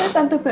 jalan tante ben